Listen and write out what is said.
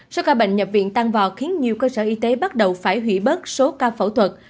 số ca bệnh nhập viện tăng vọt khiến nhiều cơ sở y tế bắt đầu phải hủy bớt số ca phẫu thuật